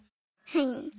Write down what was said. はい。